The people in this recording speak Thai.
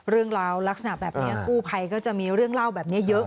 เรื่องราวลักษณะแบบนี้กู้ภัยก็จะมีเรื่องเล่าแบบนี้เยอะ